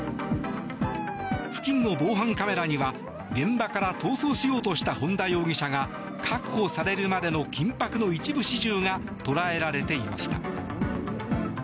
付近の防犯カメラには現場から逃走しようとした本田容疑者が確保されるまでの緊迫の一部始終が捉えられていました。